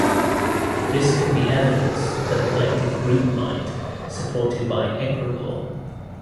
This could be evidence for the collective group mind supported by Egregore.